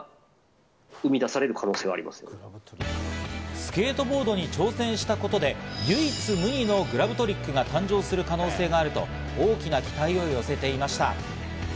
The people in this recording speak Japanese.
スケートボードに挑戦したことで唯一無二のグラブトリックが誕生することがあると大きな期待を寄せていました。